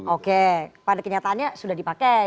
oke pada kenyataannya sudah dipakai